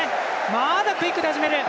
まだクイックで始める。